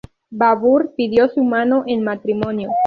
Babur pidió su mano en matrimonio.